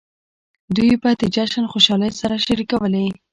دوی به د جشن خوشحالۍ سره شریکولې.